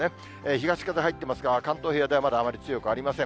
東風入っていますが、関東平野ではまだあまり強くありません。